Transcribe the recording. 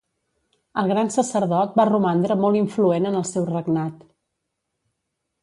El gran sacerdot va romandre molt influent en el seu regnat.